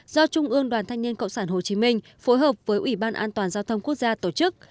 do trung ương đoàn thanh niên cộng sản hồ chí minh phối hợp với ủy ban an toàn giao thông quốc gia tổ chức